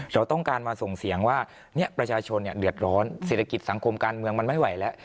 เราต้องการมาส่งเสียงว่าประชาชนเดือดร้อนเศรษฐกิจสังคมการเมืองมันไม่ไหวแล้ว